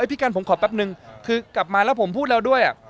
พี่กันผมขอแป๊บนึงคือกลับมาแล้วผมพูดแล้วด้วย